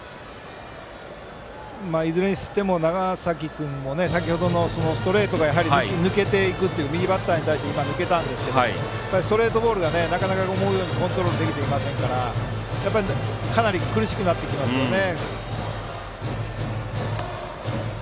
いずれにしても長崎君、先程のストレートが右バッターに対して抜けていくというということでストレートボールがなかなか思うようにコントロールできていませんからかなり苦しくなってきますね。